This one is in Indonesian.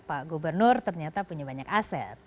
pak gubernur ternyata punya banyak aset